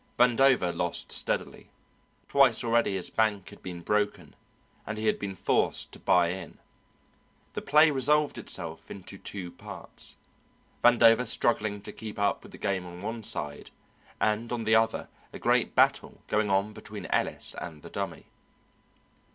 Vandover lost steadily; twice already his bank had been broken, and he had been forced to buy in. The play resolved itself into two parts, Vandover struggling to keep up with the game on one side, and on the other a great battle going on between Ellis and the Dummy.